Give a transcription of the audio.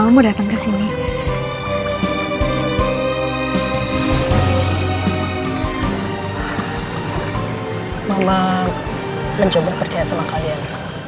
mama mencoba percaya sama kalian